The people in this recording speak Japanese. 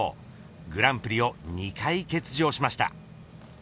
グランプリを２回欠場しました。